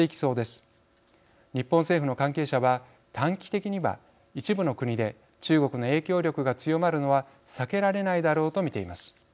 日本政府の関係者は短期的には一部の国で中国の影響力が強まるのは避けられないだろうと見ています。